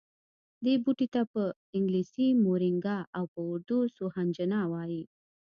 دې بوټي ته په انګلیسي مورینګا او په اردو سوهنجنا وايي